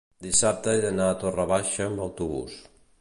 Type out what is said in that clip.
Dissabte he d'anar a Torre Baixa amb autobús.